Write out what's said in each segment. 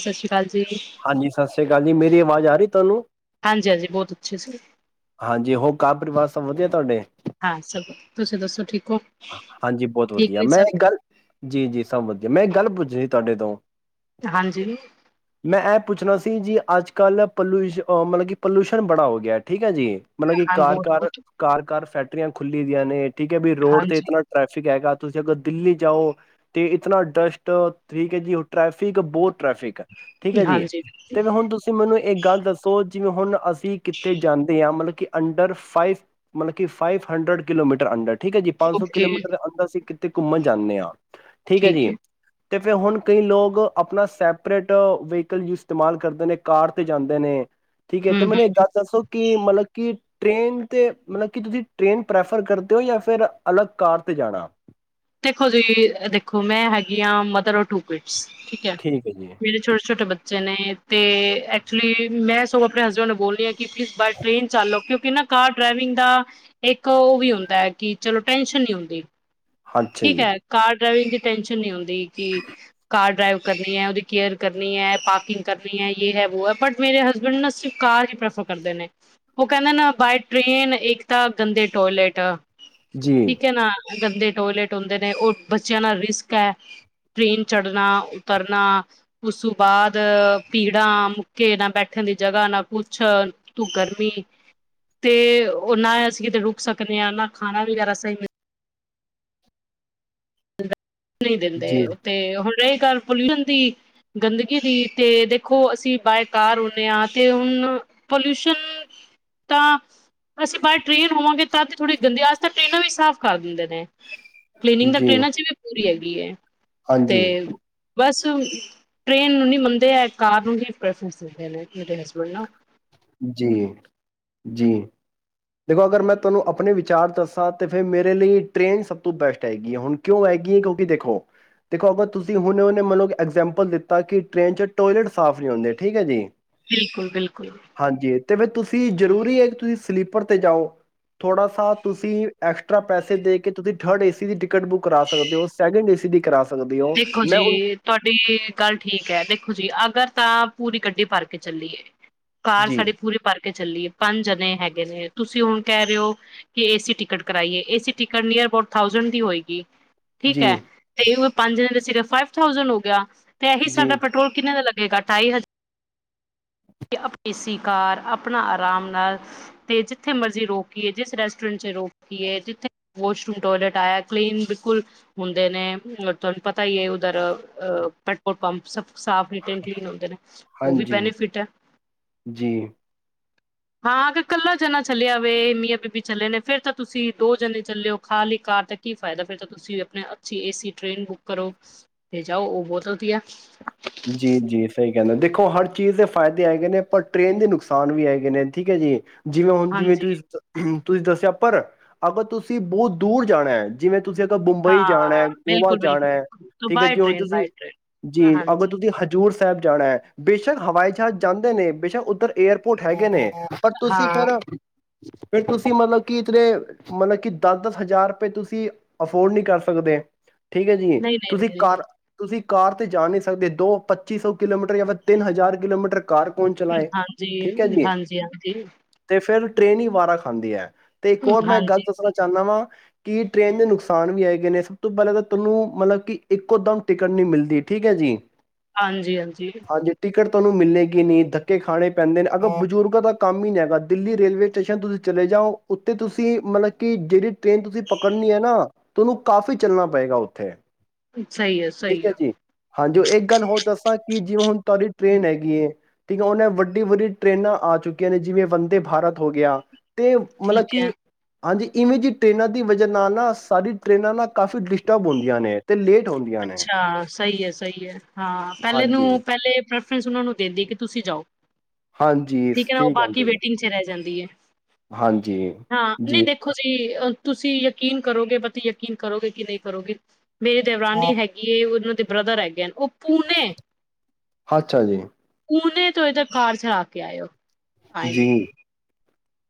ਸਤਿ ਸ਼੍ਰੀ ਅ ਅਕਾਲ ਜੀ। ਗੱਲ ਨੀ ਮੇਰੀ ਆਵਾਜ਼ ਆ ਰਹੀ ਤੁਹਾਨੂੰ ਹਾਂਜੀ-ਹਾਂਜੀ, ਬਹੁਤ ਅੱਛੇ ਸੇ ਹਾਂਜੀ ਹੋ ਘਰ ਪਰਿਵਾਰ ਸਭ ਵਧੀਆ ਤੁਹਾਡੇ ਹਾਂ ਸਭ ਤੁਸੀਂ ਦੱਸੋ ਠੀਕ ਹੋ? ਹਾਂਜੀ ਬਹੁਤ ਠੀਕ ਵਧੀਆ ਨੇ ਮੈਂ ਸਭ, ਗੱਲ ਜੀ-ਜੀ ਸਭ ਵਧੀਆ ਮੈਂ ਇੱਕ ਗੱਲ ਪੁੱਛਣੀ ਤੁਹਾਡੇ ਤੋਂ ਹਾਂਜੀ ਮੈਂ ਐ ਪੁੱਛਣਾ ਸੀ। ਸੀਂ ਜੀ ਅੱਜ ਕੱਲ੍ਹ ਪੋਲਿਊਸ਼ਨ ਮਤਲਬ ਕਿ ਪੋਲੂਸ਼ਨ ਬੜਾ ਹੋ ਗਿਆ। ਠੀਕ ਹੈ ਜੀ। ਮਤਲਬ ਕਿ ਹਾਂ ਬਹੁਤ ਘਰ-ਘਰ, ਬਹੁਤ ਘਰ-ਘਰ ਫੈਕਟ ਟਕਰੀਆਂ ਖੁੱਲੀ ਦੀਆਂ ਨੇ ਠੀਕ ਹੈ ਵੀ ਰੋਡ ਤੇ ਹਾਂਜੀ ਇਤਨਾ ਟਰੈਫਿਕ ਹੈਗਾ। ਤੁਸੀਂ ਅਗਰ ਦਿੱਲੀ ਜਾਓ ਤੇ ਇਤਨਾ ਡਸਟ ਠੀਕ ਹੈ ਜੀ ਉਹ ਟ੍ਰੈਫਿਕ ਬਹੁਤ ਟ੍ਰੈਫਿਕ ਏ ਠੀਕ ਹੈ ਜੀ ਹਾਂਜੀ ਤੇ ਹੁਣ ਤੁਸੀਂ ਮੈਨੂੰ ਇੱਕ ਗੱਲ ਦੱਸੋ ਜਿਵੇਂ ਹੁਣ ਅਸੀਂ ਤੇ ਜਾਂਦੇ ਆ ਮਤਲਬ ਕਿ ਅੰਡਰ ਫਾਈਵ ਮਤਲਬ ਕਿ ਫਾਈਵ ਹੰਡਰਡ ਕਿਲੋਮੀਟਰ ਅੰਡਰ ਠੀਕ ਜੀ ਪੰਜ ਸੌ ਓਕੇ ਕਿਲੋਮੀਟਰ ਅੰਦਰ ਸੀ। ਕਿਤੇ ਘੁੰਮਣ ਜਾਂਨੇ ਆ। ਠੀਕ ਹੈ ਜੀ। ਤੇ ਫਿਰ ਹੁਣ ਕਈ ਲੋਕ ਆਪਣਾ ਸੈਪਰੇਟ ਵਹੀਕਲ ਇਸਤੇਮਾਲ ਕਰਦੇ ਨੇ ਕਾਰ ਤੇ ਜਾਂਦੇ ਨੇ। ਠੀਕ ਹੈ ਤੇ ਹਮ ਹਮ ਮੈਨੂੰ ਇੱਕ ਗ ਦੱਸੋ ਕਿ ਮਤਲਬ ਕਿ ਟ੍ਰੇਨ ਤੇ ਮਤਲਬ ਕਿ ਤੁਸੀਂ ਟ੍ਰੇਨ ਪ੍ਰੈਫਰ ਕਰਦੇ ਹੋ ਜਾਂ ਫਿਰ ਅਲੱਗ ਕਾਰ ਤੇ ਜਾਣਾ। ਦੇਖੋ ਤੁਸੀਂ ਦੇਖੋ ਮੈਂ ਹੈਗੀ ਹਾਂ ਮਦਰ ਔਰ ਟੂਰ ਠੀਕ ਹੈ ਮੇਰੇ ਛੋਟੇ ਛੋਟੇ ਬੱਚੇ ਚਨੇ ਤੇ ਐਕਚੁਲੀ ਮੈਂ ਸਗੋਂ ਆਪਣੇ ਹਸਬੈਂਡ ਨੂੰ ਬੋਲਣੀ ਆ ਕਿਨ ਇਨਾ ਕਾਰ ਡਰਾਈਵਿੰਗ ਦਾ ਇੱਕ ਉਹ ਵੀ ਹੁੰਦਾ ਹੈ ਕਿ ਚਲੋ ਟੈਂਨਸ਼ਨ ਨਹੀਂ ਹੁੰਦੀ ਅੱਛਾ ਠੀਕ ਜੀ ਹੈ ਕਾਰਡ ਡਰਾਈ ਵੀ ਵਿੱਚ ਟਨਸ਼ਨ ਨਹੀਂ ਹੁੰਦੀ ਕਿ ਕਾਰਡ ਡਰਾਈਵ ਕਰਨੀ ਹੈ ਉਹਦੀ ਕੇਅਰ ਕਰਨੀ ਹੈ ਪਾਰਕਿੰਗ ਕਰਨੀ ਹੈ ਯ ਹੈ ਵੋ ਹੈ ਬਟ ਮੇਰੇ ਹਸਬੈਂਡ ਨਾ ਸਿਰਫ ਕਾਰ ਹੀ ਪ੍ਰੈਫਰ ਕਰਦੇ ਨੇ ਉਹ ਕਹਿੰਦੇ ਨਾ ਬਾਏ ਟ੍ਰੇਨ ਇੱਕ ਤਾਂ ਗੰਦੇ ਟੋਇਲਟ ਜੀ ਠੀਕ ਏ ਨਾ ਗੰਦੇ ਟੋਇਲੇਟ ਹੁੰਦੇ ਨੇ ਹੋਰ ਬਸ ਵਹ ਨਹੀਂ ਦਿੰਦੇ ਜੀ ਤੇ ਰਹੀ ਗੱਲ ਪੋਲਿਊਸ਼ਨ ਦੀ ਜੀ ਜਿਵੇਂ। ਪੂਰੀ ਹੈਗੀ ਏ ਤੇ ਹਾਂਜੀ ਬਸ ਟ੍ਰੇਨ ਨੂੰ ਨ ਮੰਨਦੇ ਹੈ ਕਾਰ ਨੂੰ ਹੀ ਬੈਸਟ ਮਨ ਦੇ ਮੇਰੇ ਹਸਬੈਂਡ ਨਾ ਜੇ ਜੇ ਦੇਖੋ ਅਗਰ ਮੈਂ ਤੁਹਾਨੂੰ ਆਪਣੇ ਵਿਚਾਰ ਦੱਸਾਂ ਤੇ ਫਿਰ ਮੇਰੇ ਲਈ ਟ੍ਰੇਨ ਸਭ ਤੋਂ ਬੈਸਟ ਹੈਗੀ ਹੈ ਹੁਣ ਕਿਉਂ ਹੈਗੀ ਹੈ ਕਿਉਂਕਿ ਦੇਖੋ ਬਿਲਕੁਲ ਬਿਲਕੁਲ ਹਾਂਜੀ ਤੇ ਫਿਰ ਤੁਸੀਂ ਜ਼ਰੂਰੀ ਹੈ ਕਿ ਤੁਸੀਂ ਸਲੀਪਰ ਤੇ ਜਾਓ ਥੋੜਾ ਸ ਤੁਸੀਂ ਐਕਸਟਰਾ ਪੈਸੇ ਦੇ ਕੇ ਤੁਸੀਂ ਥਰਡ ਏਸੀ ਦੀ ਟਿਕਟ ਬੁੱਕ ਕਰਾ ਸਕਦੇ ਹੋ ਸੈਕਿੰਡ ਏ ਸੀ ਦੀ ਕਰਾ ਸਕ ਦੇਖੋ ਜੀ ਤੁਹਾਡੀ ਗੱਲ ਠੀਕ ਹੈ ਦੇਖੋ ਜੀ ਅ ਗਲਤ ਅਫਾ ਕਾਰ ਜੀ ਸਾਡੀੇ ਪੂਰੀ ਪਾਰਕਿੰਗ ਚੱਲੀਏ ਪੰਜ ਜਣੇ ਹੈਗੇ ਨੇ ਤੁਸੀਂ ਹੁਣ ਕਹਿ ਰਹੇ ਹੋ ਕਿ ਏਸੀ ਟਿਕਟ ਕਰਾਈਏ ਏ ਏ ਸੀ ਟਿਕਟ ਲਈ ਬਹੁਤ ਠੀਕ ਜੀ ਹੈ ਤੇ ਵੋ ਪੰਜ ਤੇ ਇਹੀ ਜੀ ਸਾਡਾ ਪੈਟਰੋਲ ਕਿੰਨੇ ਦਾ ਢਾਈ ਹਜ਼ਾਰ ਏ ਸੀ ਕਾਰ ਆਪਣਾ ਆਰਾਮ ਨਾਲ ਤੇ ਜਿੱਥੇ ਮਰਜ਼ੀ ਰੋਕੀਏ ਜਿਸ ਰੈਸਟੋਰੈਂਟ ਚ ਰੋਕੀਏ ਜਿੱਥੇ ਵਾਸ਼ਰੂਮ ਟੋਇਲਟ ਆਇਆ ਕਲੀਨ ਬਿਲਕੁਲ ਹੁੰਦੇ ਨੇ ਤੁਹਾਨੂੰ ਪਤਾ ਹੀ ਹੈ ਉੱਧਰ ਅ ਪੈਟਰੋਲ ਪੰਪ ਸਭ ਸਾਫ ਤੇ ਕਲੀਨ ਹੁੰਦੇ ਨੇ ਉਹ ਵੀ ਹਾਂਜੀ ਬੈਨੀਫਿਟ ਹੈ ਜੀ ਹਾਂ ਅ ਕੱਲਾ ਜਣਾ ਚੱਲਿਆਵੇ ਮੀਆਂ ਬੀਬੀ ਚੱਲੇ ਨੇ ਫੇਿਰ ਤਾਂ ਤੁਸੀਂ ਦੋ ਘਰੋ ਜਾਓ ਉਹ ਬਹੁਤ ਵਧੀਆ ਜੀ ਜੀ ਸਹੀ ਗਲ ਦੇਖੋ ਹਰ ਚੀਜ਼ ਦੇ ਫ਼ਾਇਦੇ ਹੈਗੇ ਨੇ ਪਰ ਟ੍ਰਰੇਨ ਦੇ ਨੁਕਸਾਨ ਵੀ ਹੈਗੇ ਨੇ ਠੀਕ ਹੈ ਜੀ ਜਿਵੇੈ ਆਉਣ ਦੇ ਵਿੱਚ ਹਾਂਜੀ ਹਮ ਤੁਸੀਂ ਦੱਸਿਆ ਪਰ ਅਗਰ ਤੁਸੀ ਜਦੋਂ ਮੁੰਬਈ ਜਾਣਾ ਹਾਂ ਹੈ ਗੋਆ ਬਿਲਕੁਲ ਜਾਣਾ ਬਿਲਕੁਲ ਹੈ ਬਿਲਕੁਲ ਠੀਕ ਹੈ ਬਾਏ ਟ੍ਰੇਨ ਬਾਏ ਟ੍ਰੇਨ ਅਗਰ ਹਾਂਜੀ ਤੁਸੀਂ ਹਜ਼ੂਰ ਸਾਹਿਬ ਜਾਣਾ ਹੈ ਬਸ਼ ਬੇਸ਼ੱਕ ਹਵਾਈ ਜਹਾਜ਼ ਜਾਂਦੇ ਨੇ ਬੇਸ਼ੱਕ ਉੱਧਰ ਏਅਰਪੋਰਟ ਹੈਗੇ ਨੇ। ਪਰ ਤੁਸੀਂ ਹਾਂ ਫੇਰ ਫਿਰ ਤੁਸੀਂ ਮਤਲਬ ਕਿ ਇਦੇ ਮਤਲਬ ਕਿ ਦਸ ਦਸ ਹਜ਼ਾਰ ਰੁਪਏ ਤੁਸੀਂ ਅਫੋਰਡ ਨਹੀਂ ਕਰ ਸਕਦੇ ਠੀਕ ਹੈ ਜੀ। ਨਹੀਂ ਤੁਸੀਂ ਨਹੀਂ ਨਹੀਂ ਕਾਰ ਤੁਸੀਂ ਕਾਰ ਤੇ ਜਾਣੇ ਦ ਪੱਚੀ ਸੌ ਕਿਲੋਮੀਟਰ ਜਾਂ ਫਿਰ ਤਿੰਨ ਹਜ਼ਾਰ ਕਿਲੋਮੀਟਰ ਕਾਰ ਕੌਣ ਚਲਾਏ। ਠੀਕ ਹੈ ਹਾਂਜੀ ਜੀ। ਹਾਂਜੀ ਹਾਂਜੀ ਤੇ ਫਿਰ ਟ੍ਰੇਨੀ ਵਾਰਾ ਖਾਂਦੀ ਹੈ। ਤੇ ਇੱਕ ਹੋਰ ਮੈਂ ਗੱਲ ਹਾਂਜੀ ਦੱਸਣਾ ਚਾਹੁੰਦਾ ਵਾਂ ਕਿ ਟ੍ਰਰੇਨ ਦੇ ਨੁਕਸਾਨ ਵੀ ਹੈਏਗੇਏ ਨੇ ਸਭ ਤੋਂ ਪਹਿਲਾਂ ਤਾਂ ਤੁਹਾਨੂੰ ਮਤਲਬ ਕਿ ਇੱਕੋ ਦਮ ਟਿਕਟ ਨਹੀਂ ਮਿਲਦੀ ਠੀਕ ਹੈ ਜੀ। ਹਾਂਜੀ, ਹਾਂਜੀ। ਤੁਹਾਨੂੰ ਮਿਲੇਗੀ ਨਹੀਂ ਧੱਕੇ ਖਾਣੇ ਪੈਂਦੇ ਨੇ ਅਗਰ ਬਜ਼ੁਰਗਾਂ ਦਾ ਕੰਮ ਹੀ ਨਹੀਂ ਹੈਗਾ ਦਿੱਲੀ ਰੇਲਵੇ ਸਟੇਸ਼ਨ ਤੁਸੀਂ ਚਲੇ ਜਾਓ ਉੱਥੇ ਤੁਸੀਂ ਮਤਲਬ ਕਿ ਜਿਹੜੀ ਟ੍ਰੇਨ ਤੁਸੀਂ ਪਕੜਨੀ ਹੈ ਨਾ ਤੁਹਾਨੂੰ ਕਾਫ਼ੀ ਚੱਲਣਾ ਪਏਗਾ ਉੱਥੇ ਸਹੀ ਹੈ, ਸਹੀ ਹੈ। ਜੋ ਇੱਕ ਗੱਲ ਹੋਰ ਦੱਸਾਂ ਕਿ ਜਿਵੇਂ ਹੁਣ ਤੁਹਾਡੀ ਟ੍ਰੇਨ ਹੈਗੀ ਏ ਠੀਕ ਆ ਉਹਨਾਂ ਵੱਡੀ ਵੱਡੀ ਟਰੇਨਾਂ ਆ ਚੁੱਕੀਆਂ ਨੇ ਜਿਵੇਂ ਵੰਦੇ ਭਾਰਤ ਹੋ ਗਿਆ ਤੇ ਮਤਲਬ ਠੀਕ ਹੈ ਕਿ ਹਾਂਜੀ ਇਵੇਂ ਜਿਹੀ ਟ੍ਰਰੇਨਾਂ ਦੀ ਵਜ੍ਹਾ ਨਾਲ ਨਾ ਸਾਾਰੀ ਟ੍ਰਰੇਨਾਂ ਨਾ ਕਾਫੀ ਡਿਸਟਰਬ ਹੁੰਦੀਆਂ ਨੇ ਅਤੇ ਲੇਟ ਹੁੰਦੀਆਂ ਨੇ ਅੱਛਾ ਸਹੀ ਹੈ, ਸਹੀ ਹੈ। ਹਾਂ ਪਹਿਲੇ ਹਾਂਜੀ ਨੂੰ ਪਹਿਲੇ ਉਨ੍ਹਾਂ ਨੂੰ ਦਿੰਦੀ ਕਿ ਤੁਸੀਂ ਜਾਓ ਹਾਂਜੀ। ਸ ਕਹਿੰਦੇ ਨੇ ਦੀ ਹੈ। ਹਾਂਜੀ ਹਾਂ ਨਹੀਂ ਜੀ। ਦੇਖੋ ਜੀ ਅ, ਤੁਸੀਂ ਯਕੀਨ ਕਰੋਗੇ ਪਤੀ ਯਕੀਨ ਕਰੋਗੇ ਕਿ ਨਹੀਂ ਕਰੋਗੇ। ਮੇਰੀ ਦਵਰਾਨੀ ਹੈਗੀ ਉਹਨਾਂ ਬ੍ਰਦਰ ਹੈਗੇ ਨੇ ਉਹ ਪ ਅੱਛਾ ਜੀ, ਪੁਣੇ ਤ ਇਹ ਤਾਂ ਕਾਰ ਛਲਾਾ ਕੇ ਆਇਓ ਜੀ।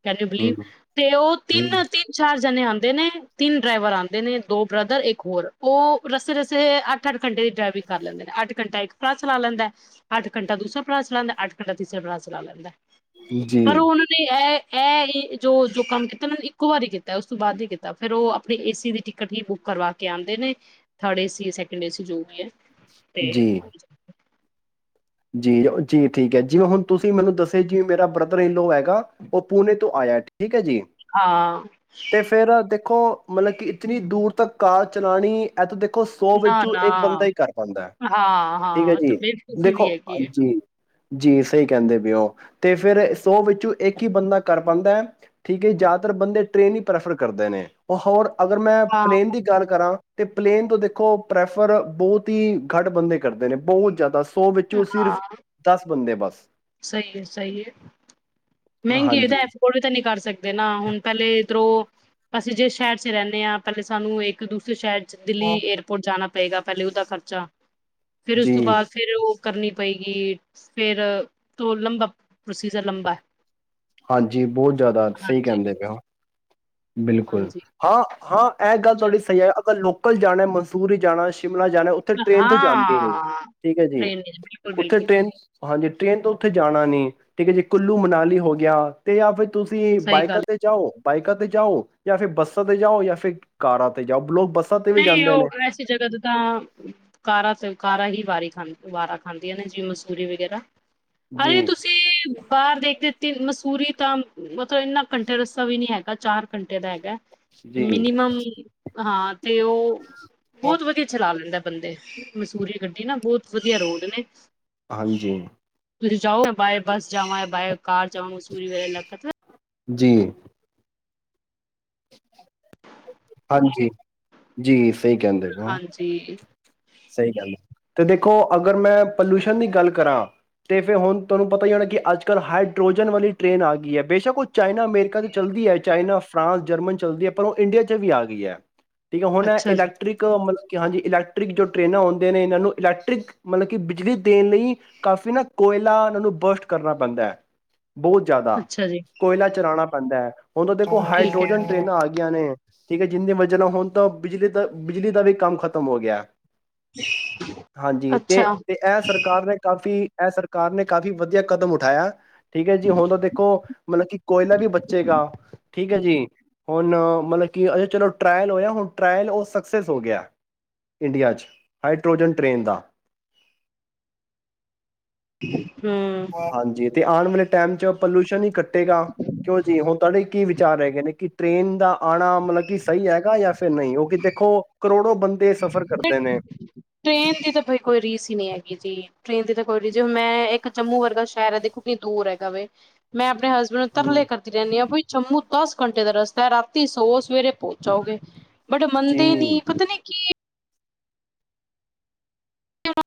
ਕੈਨ ਯੂ ਬਿਲੀਵ ਹੂੰ, ਤੇ ਉਹ ਹੂੰ, ਤਿੰਨ, ਤਿੰਨ, ਚਾਰ ਚਾਰ ਜਣੇ ਆਉਂਦੇ ਨੇ ਤਿੰਨ ਡਰਾਈਵਰ ਆਉਂਦੇ ਨੇ ਦੋ ਬਰਦਰ ਇੱਕ ਹੋਰ ਉਹ ਰਸਤੇ ਰਸਤੇ ਅੱਠ ਅੱਠ ਘੰਟੇ ਦੀ ਡਰਾਈਵਿੰਗ ਕਰ ਲੈਂਦੇ ਨੇ ਅੱਠ ਘੰਟਾ ਇੱਕ ਭਰਾ ਚਲਾ ਲੈਂਦਾ ਹੈ ਅੱਠ ਘੰਟਾ ਦੂਸਰਾ ਭਰਾ ਚਲਾ ਲਂਦਾ ਅੱਠ ਘੰਟਾ ਤੀਸਰਾ ਭਰਾ ਚਲਾ ਲੈਂਦਾ ਪਰ ਜੀ। ਉਹਨਾਂ ਨੇ ਇਹ ਇਹ ਇਹ ਜੋ ਜੋ ਕੰਮ ਕੀਤਾ ਨਾ ਇੱਕ ਵਾਰੀ ਕੀਤਾ ਉਸ ਤੋਂ ਬਾਅਦ ਨੀ ਕੀਤਾ ਫੇਰ ਉਹ ਆਪਣੀ ਏ ਸੀ ਦੀ ਟਿਕਟ ਹੀ ਬੁੱਕ ਕਰਵਾ ਕੇ ਆਉਂਦੇ ਨੇ third A C second A C ਜੋ ਵੀ ਹੈ ਤੇ ਜੀ ਜੀ ਜੀ ਠੀਕ ਹੈ ਜਿਵੇਂ ਹੁਣ ਤੁਸੀਂ ਮੈਨੂੰ ਦੱਸਿਆ ਕੀ ਮੇਰਾ ਬ੍ਰਦਰ ਇਨਲੋ ਹੈਗਾ ਉਹ ਪੂਨੇ ਤੋਂ ਆਇਆ ਠੀਕ ਹੈ ਜੀ ਹਾਂ ਤੇ ਫੇਰ ਦੇਖੋ ਮਤਲਬ ਕਿ ਇਤਨੀ ਦੂਰ ਤੱਕ ਕਾਰ ਚਲਾਣੀ ਇਥੇ ਦੇਖ ਉਹ ਸੌ ਨਾ ਵਿੱਚੋਂ ਨਾ ਇੱਕ ਬੰਦਾ ਹੀ ਕਰ ਪਾਉਂਦਾ ਹਾਂ ਠੀਕ ਹੈ ਹਾਂ ਤੇ ਜੀ ਬੇਵਕੂਫੀ ਦੇਖੋ ਵੀ ਹੈਗੀ ਹੈ ਹਾਂਜੀ ਜੀ ਸਹੀ ਕਹਿੰਦੇ ਪਏ ਹੋ ਤੇ ਫਿਰ ਸੌ ਵਿੱਚੋਂ ਇੱਕ ਹੀ ਬੰਦਾ ਕਰ ਪਾਉਂਦਾ ਹੈ ਠੀਕ ਹੈ ਜੀ ਜ਼ਿਆਦਾਤਰ ਬੰਦੇ ਟ੍ਰੇਨ ਹੀ ਪ੍ਰੈਫਰ ਕਰਦੇ ਨੇ ਉਹ ਹੋਰ ਅਗਰ ਮੈਂ ਹਾਂ ਪਲੇਨ ਦੀ ਗੱਲ ਕਰਾਂ ਤੇ ਪਲੇਨ ਤੋਂ ਦੇਖੋ ਪ੍ਰੈਫਰ ਬਹੁਤ ਹੀ ਘੱਟ ਬੰਦੇ ਕਰਦੇ ਨੇ ਬਹੁਤ ਜ਼ਿਆਦਾ ਸੋ ਉਹ ਸਿਰਫ ਹਾਂ ਦਸ ਬੰਦੇ ਬਸ ਸਹੀ ਹੈ ਸਹੀ ਹੈ ਮਹਿੰਗੀ ਹੈ ਹਾਂਜੀ ਤਾਂ ਐਫੋਰਡ ਵੀ ਤਾਂ ਨਹੀਂ ਕਰ ਸਕਦੇ ਨਾ ਹੁਣ ਪਹਿਲੇ ਰੋਂ ਅਸੀਂ ਜਿਸ ਸ਼ਹਿਰ ਚ ਰਹਿਨੇ ਹਾਂ ਪਹਿਲੇ ਸਾਨੂੰ ਇੱਕ ਦੂਸਰੇ ਸ਼ਹਿਰ ਦਿੱਲੀ ਏਅਰਪੋਰਟ ਜਾਣਾ ਪਏਗਾ ਪਹਿਲੇ ਉਹਦਾ ਖਰਚਾ ਫਿਰ ਉਸ ਜੀ ਤੋਂ ਬਾਅਦ ਫਿਰ ਉਹ ਕਰਨੀ ਪਏਗੀ ਫਿਰ ਤੋ ਲੰਬਾ ਪ੍ਰੋਸੀਜ਼ਰ ਲੰਬਾ ਹੈ ਹਾਂਜੀ ਬਹੁਤ ਜ਼ਿਆਦਾ ਸਹੀ ਹਾਂਜੀ ਕਹਿੰਦੇ ਪਏ ਹੋ ਬਿਲਕੁਲ ਹਾਂਜੀ ਹਾਂ ਹਾਂ ਇਹ ਗੱਲ ਤੁਹਾਡੀ ਚਲੋ ਸਹੀ ਹੈ ਅਗਰ ਲੋਕ ਕਲ ਜਾਣਾ ਮਨਸੂਰੀ ਜਾਣਾ ਸ਼ਿਮਲਾ ਜਾਣਾ ਉੱਥੇ ਟ੍ਰੇਨ ਤੋਂ ਜਾਂਦੀ ਨੀ ਹਾਂ ਠੀਕ ਹੈ ਜੀ ਟ੍ਰੇਨ ਵਿੱਚ ਬਿਲਕੁਲ ਉੱਥੇ ਬਿਲਕੁਲ ਟ੍ਰੇਨ ਹਾਂਜੀ ਟ੍ਰੇਨ ਤੋਂ ਉੱਥੇ ਜਾਣਾ ਨੀ ਠੀਕ ਹੈ ਜੀ ਕੁੱਲੂ ਮਨਾਲੀ ਹੋ ਗਿਆ ਤੇ ਜਾਂ ਫਿਰ ਤੁਸੀਂ ਸਹੀ ਗੱਲ ਬਾਈਕਾਂ ਤੇ ਜਾਓ ਬਾਈਕਾਂ ਤੇ ਜਾਓ ਜਾਂ ਫਿਰ ਬੱਸਾਂ ਤੇ ਜਾਓ ਜਾਂ ਫਿਰ ਕਾਰਾਂ ਤੇ ਜਾਓ ਬਲੋ ਨਹੀਂ ਉਹ ਐਸੀ ਜਗ੍ਹਾ ਤੇ ਤਾਂ ਕਾਰਾ ਤੇ ਕਾਰਾ ਹੀ ਵਾਰੀ ਖਾਂਦੇ ਦੁਬਾਰਾ ਖਾਂਦੀਆਂ ਨੇ ਜਿਵੇਂ ਮਸੂਰੀ ਵਗੈਰਾ ਹਜੇ ਜੀ ਤੁਸੀਂ ਬਾਹਰ ਦੇਖਦੇ ਤੇ ਮਸੂਰੀ ਤਾਂ ਮਤਲਬ ਇੰਨਾ ਘੰਟੇ ਰਸਤਾ ਵੀ ਨੀ ਹੈਗਾ ਚਾਰ ਘੰਟੇ ਦਾ ਹੈਗਾ ਜੀ ਮਿਨੀਮਮ ਹਾਂ। ਅਤੇ ਉਹ ਬਹੁਤ ਵਧੀਆ ਚਲਾ ਲੈਂਦਾ। ਬੰਦੇ ਮਸੂਰੀ ਗੱਡੀ ਨਾ ਬਹੁਤ ਵਧੀਆ ਰੋਡ ਨੇ ਹਾਂਜੀ ਤੁਸੀਂ ਜਾਓ ਬਾਏ ਬੱਸ ਜਾਓ ਹੈ ਬਾਏ ਕਾਰ ਚਸੂਰੀ ਵ ਲਗਤ ਜੀ। ਹਾਂਜੀ ਜੀ। ਸਹੀ ਕਹਿੰਦੇ ਨੇ ਹੋ ਹਾਂਜੀ ਸਹੀ ਕਹਿੰਦੇ ਤੇ ਦੇਖੋ ਅਗਰ ਮੈਂ ਪੋਲਿਊਸ਼ਨ ਦੀ ਗੱਲ ਕਰਾਂ ਤੇ ਫਿਰ ਹੁਣ ਤੁਹਾਨੂੰ ਪਤਾ ਹੀ ਹੋਣਾ ਕਿ ਅੱਜ ਕੱਲ੍ਹ ਹਾਈਡਰੋਜਨ ਵਾਲੀ ਟ੍ਰੇਨ ਆ ਗਈ ਹੈ। ਬੇਸ਼ੱਕ ਉਹ ਚਾਈਨਾ ਅਮੇਰੀਕਾ ਚ ਚੱਲਦੀ ਹੈ। ਚਾਈਨਾ ਫਰਾਂਸ ਜਰਮਨ ਚੱਲਦੀ ਹੈ। ਪਰ ਉਹ ਇੰਡੀਆ ਵੀ ਆ ਗਈ ਹੈ। ਠੀਕ ਹੈ। ਹੁਣ ਅੱਛਾ ਜੀ ਇਲੈਕਟ੍ਰਿਕ ਮਤਲਬ ਕਿ ਹਾਂਜੀ ਇਲੈਕਟ੍ਰਿਕ ਜੋ ਟਰੇਨਾਂ ਆਉਂਦੇ ਨੇ ਇਹਨਾਂ ਨੂੰ ਇਲੈਕਟ੍ਰਿਕ ਮਤਲਬ ਕਿ ਬਿਜਲੀ ਦੇਣ ਲਈ ਕਾਫੀ ਨਾ ਕੋਇਲਾ ਇਹਨਾਂ ਨੂੰ ਬਰਸਟ ਕਰਨਾ ਪੈਂਦਾ ਹੈ। ਬਹੁਤ ਜ਼ਿਆਦਾ ਅੱਛਾ ਜੀ ਕੋਇਲਾ ਚਰਾਣਾ ਪੇਦਾ ਹੈ। ਹੁਣ ਤਾਂ ਦੇਖੋ ਠੀਕ ਹੈ ਹਾਈਡਰੋਜਨ ਟ੍ਰਰੇਨਾਂ ਆ ਗਈਆਂ ਨੇ ਠੀਕ ਹੈ। ਜਿੰਨੀ ਵਜਾ ਨਾਲ ਹੋਣ ਤਾਂ ਬਿਜਲੀ ਦਾ ਬਿਜਲੀ ਦਾ ਵੀ ਕੰਮ ਖ਼ਤਮ ਹੋ ਗਿਆ। ਹਾਂਜੀ ਤੇ ਅੱਛਾ ਤੇ ਇਹ ਸਰਕਾਰ ਨੇ ਕਾਫ਼ੀ ਇਹ ਸਰਕਾਰ ਨੇ ਕਾਫ਼ੀ ਵਧੀਆ ਕਦਮ ਉਠਾਇਆ। ਠੀਕ ਹੈ ਜੀ ਹੁਣ ਤਾਂ ਦੇਖੋ ਮਤਲਬ ਕਿ ਕੋਇਲਾ ਵੀ ਬੱਚੇਗਾ। ਠੀਕ ਹੈ ਜੀ ਹੁਣ ਮਲਤ ਕਿ ਚਲੋ ਟਰਾਇਲ ਹੋਇਆ ਹੁਣ ਟਰਾਇਲ ਉਹ ਸਕਸੈਸ ਹੋ ਗਿਆ ਇੰਡੀਆ 'ਚ ਹਾਈਡਰੋਜਨ ਟ੍ਰੇਨ ਦਾ [unintelligible] ਹਾਂਜੀ ਤੇ ਆਉਣ ਵਾਲੇ ਟਾਈਮ ਚ ਪਲਿਊਸ਼ਨ ਹੀ ਕੱ ਕਿਉਂ ਜੀ ਹੁਣ ਤੁਹਾਡੇ ਕੀ ਵਿਚਾਰ ਹੈਗੇ ਨੇ ਕਿ ਟ੍ਰੇਨ ਦਾ ਆਣਾ ਮਤਲਬ ਕਿ ਸਹੀ ਹੈਗਾ ਜਾਂ ਫਿ ਫ ਨਹੀਂ ਉਹ ਕਿ ਦੇਖੋ ਕਰੋੜੋ ਬੰਦੇ ਸਫ਼ਰ ਕਰਦੇ ਨੇ ਟ੍ਰੇਨ ਦੀ ਤਾਂ ਕੋਈ ਰੀਸ ਹੀ ਨਹੀਂ ਹੈਗੀ ਜੀ ਟ੍ਰੇਨ ਦੀ ਤਾਂ ਕੋਈ ਜੀ ਹ ਮੈਂ ਇੱਕ ਜੰਮੂ ਵਰਗਾ ਸ਼ਹਿਰ ਹੈ ਦੇਖੋ ਕਿੰਨੀ ਦੂਰ ਹੈਗਾ ਵੇ ਮੈਂ ਆਪਣੇ ਹਸਬੈਂਡ ਨੂੰ ਹਮ ਤਰਲੇ ਕਰਦੀ ਰਹਿੰਦੀ ਡਈ ਜੰਮੂ ਦਸ ਘੰਟੇ ਦਾ ਰਸਤਾ ਹੈ ਰਾਤੀ ਸੌ ਸਵੇਰੇ ਪਹੁੰਚਓਗੇ ਬਟ ਮੰਨਦੇ ਜੀ ਨੀ ਪਤਾ ਨੀ ਕੀ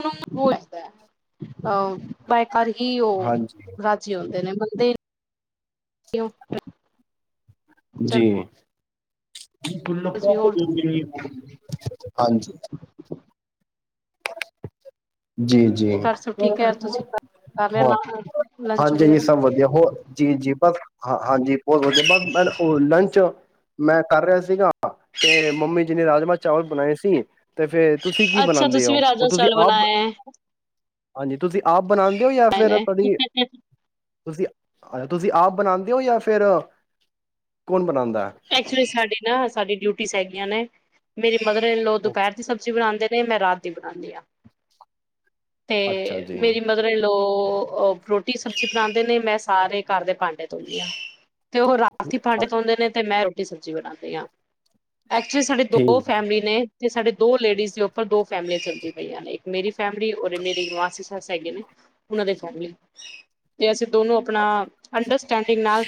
ਹੋ ਊਨੁ ਔ ਹੈਗਾ ਬਏ ਘਰ ਹੀ ਉਹ ਹਾਂਜੀ ਰਾਜੀ ਹੁੰਦੇ ਨੇ ਬਦੇ ਜੀ ਤੁਸੀਂ ਹੋਰ [inaudible] ਹਾਂਜੀ ਜੀ ਜੀ ਘਰ ਸਭ ਹਾਂ ਠੀਕ ਹੈ ਤੁਸੀਂ ਕਰ ਲਿਆ ਨਾ ਹਾਂਜੀ ਲੰਚ ਹਾਂਜੀ ਵਗੈਰਾ ਸਭ ਵਧੀਆ ਹੋ ਜੀ ਜੀ ਬਸ ਹਾਂ ਹਾਂਜੀ ਬੋਤਲ ਵਧੀਆ ਬਾਅਦ ਮੈਂ ਲੰਚ ਮੈਂ ਕਰ ਰਿਹਾ ਸੀਗਾ ਤੇ ਮੰਮੀ ਜੀ ਨੇ ਰਾਜਮਾ- ਚਾਵਲ ਬਣਾਏ ਸੀ ਤੇ ਫੇਰ ਤੁਸੀਂ ਕੀ ਅੱਛਾ ਬਣਾਉਂਦੇ ਤੁਸੀਂ ਹੋ ਵੀ ਉਹ ਰਾਜਮਾਂ ਤੁਸੀਂ ਚਾਵਲ ਆਪ ਬਣਾਏ ਹੈ ਹਾਂਜੀ ਤੁਸੀਂ ਆਪ ਬਣਾਉਂਦੇ ਔ ਯਾ ਬਣਾਏ ਫਿਰ ਤੁਸੀਂ ਨੇ। ਤੁਸੀਂ ਆਪ ਬਣਾਉਂਦੇ ਔ ਯਾ ਫਿਰ ਕੌਣ ਬਣਾਉਂਦ ਐਕਚੁਲੀ ਸਾਡੇ ਨਾ ਸਾਡੀ ਡਿਊਟ ਸ ਹੈਗੀਆਂ ਨੇ ਮੇਰੀ ਮਦਰ ਇਨ ਲੋ ਉਹ ਦੁਪਹਿਰ ਦੀ ਸਬਜ਼ੀ ਬਣਾਉਂਦੇ ਮੈਂ ਰਾਤ ਦੀ ਬੁਣਾਣੀ ਆ ਅੱਛਾ ਤੇ ਜੀ ਮੇਰੀ ਮਦਰ ਇਨਲੋ ਰੋਟੀ ਸਬਜ਼ੀ ਬਣਾਂਦੇ ਨੇ ਮੈਂ ਸਾਰੇ ਘਰ ਦੇ ਭਾਂਡੇ ਧੋਣੀ ਆ ਤੇ ਉਹ ਰਾਤ ਦੇ ਭਾਂਡੇ ਦੋਉਂਦੇ ਨੇ ਤੇ ਮੈਂ ਰੋ ਸਬਜ਼ੀ ਬਣਾਦੇ ਆ ਐਕਚੁਲੀ ਸਾਡੀ ਦੋ ਠੀਕ ਫੈਮਿਲੀ ਨੇ ਤੇ ਸਾਡੇ ਦੋ ਲੇਡੀਜ਼ ਦੇ ਉੱਪਰ ਦੋ ਫੈਮਲੀਆਂ ਚੱਲਦੀ ਪਈਆਂ ਨੇ ਇੱਕ ਮੇਰੀ ਫੈਮਿਲੀ ਰੇ ਮੇਰੀ ਮਾਸੀ ਸੱਸ ਹੈਗੇ ਨੇ ਉਹਨਾਂ ਦੇ ਫੈਮਲੀ ਤੇ ਅਸੀਂ ਦੋਨੋ ਆਪਣਾ ਅੰਡਸਟੈਂਡਿੰਗ ਨਾਲ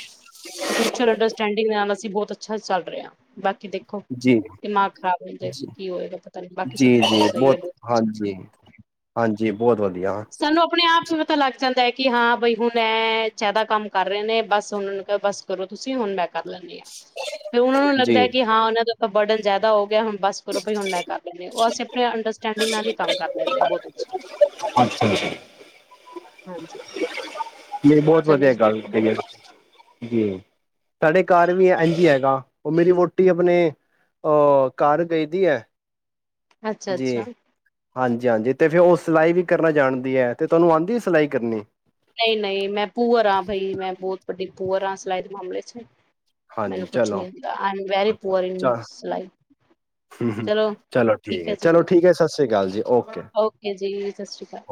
ਮਿਚੂਅਲ ਅਨਡਰਸਟੈਂਡਿੰਗ ਨਾਲ ਅਸ ਅਸੀਂ ਬਹੁਤ ਅੱਛਾ ਚੱਲ ਰਿਹੇ ਹਾਂ ਬਸ ਕਿ ਦੇਖੋ ਜੀ ਦਿਮਾਗ ਖ਼ਰਾਬ ਹੋ ਜਾ ਜੀ ਕੀ ਹੋਏਗਾ ਪਤਾ ਨੀ ਬਾਕੀ ਸਭ ਜੀ ਜੀ ਕੁਛ ਤ ਸਹੀ ਹੈ ਬਹੁਤ ਹਾਂਜੀ ਬਹੁਤ ਹਾਂਜੀ ਬਹੁਤ ਵਧੀਆ ਸਾਨੂੰ ਆਪਣੇ ਆਪ ਨੂੰ ਪਤਾ ਲੱਗ ਜਾਂਦਾ ਹੈ ਕਿ ਹਾਂ ਬਈ ਹੁਣ ਇਹ ਜ਼ਿਆਦਾ ਕੰਮ ਕਰ ਰਹੇ ਨੇ ਬਸ ਹੁਣ ਬਸ ਕਰੋ ਤੁਸੀਂ ਹੁਣ ਮੈਂ ਕਰ ਲੈਣੀ ਆ ਫਿਰ ਉਹਨਾਂ ਨੂੰ ਲੱਗਦਾ ਜੀ ਕਿ ਹਾਂ ਉਹਨਾਂ ਦਾ ਤਾਂ ਬਰਡਨ ਜ਼ਿਆਦਾ ਹੋ ਗਿਆ, ਹੁਣ ਬਸ ਕਰੋ ਵੀ ਹੁਣ ਮੈਂ ਕਰ ਲੇਨੀ ਆ ਉਹ ਸਟੈਂਡਿੰਗ ਨਾਲ ਹੀ ਕੰਮ ਕਰ ਲੈਂਦੇ ਬਹੁਤ ਅੱਛਾ ਅੱਛਾ ਜੀ, ਹਾਂਜੀ ਨਹੀਂ ਬਹੁਤ ਚਲੋ ਵਧੀਆ ਜੀ ਗੱਲ ਕਈ ਐ। ਜੀ ਸਾਡੇ ਘਰ ਵੀ ਇਝ ਹੈਗਾ, ਉਹ ਮੇਰੀ ਵੋਟੀ ਆਪਣੇ ਘਰ ਗਈ ਦੀ ਹੈ। ਅੱਛਾ-ਅੱਛਾ ਹਾਂਜੀ-ਹਾਂਜੀ ਤੇ ਫਿਰ ਉਹ ਸਿਲਾਈ ਵੀ ਕਰਨਾ ਜਾਣਦੀ ਹੈ, ਤੇ ਤੁਹਾਨੂੰ ਆਦੀ ਐ ਸਿਲਾਈ ਕਰਨੀ। ਨਹੀਂ-ਨਹੀਂ ਮੈਂ ਪੂਵਰ ਹਾਂ ਬਾਈ ਮੈਂ ਬਹੁਤ ਵੱਡੀ ਪੂਆਰ ਸਲਾਈਡ ਮਾਮਲੇ ਵਿੱਚ ਹਾਂਜੀ ਮੈਨੂੰ ਕੁਛ ਚਲੋ ਨੀ ਆਦਾ ਐਮ ਵੇਰੀ ਅੱਛਾ, ਪੂਆਰ ਇਨ ਸਿਲਾਈ ਚ ਚਲੋ, ਠੀਕ ਹੈ ਜੀ। ਚਲੋ ਠੀਕ ਹੈ ਸਤਿ ਸ਼ੀ ਅਕਾਲ ਜੀ ਓਕ ਓਕੇ ਜੀ ਸਤਿ ਸ਼੍ਰੀ ਅਕਾਲ,